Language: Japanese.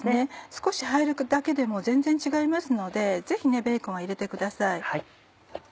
少し入るだけでも全然違いますのでぜひベーコンは入れてください。